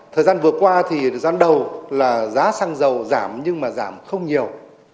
thời gian vừa qua thì gian đầu là giá xăng dầu giảm nhưng mà giảm không nhiều